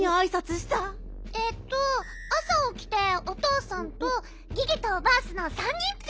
えっとあさおきておとうさんとギギとバースの３人ッピ。